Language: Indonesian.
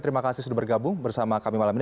terima kasih sudah bergabung bersama kami malam ini